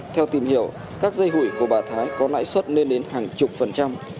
theo tìm hiểu các dây hủy của bà thái có lãi suất lên đến hàng chục phần trăm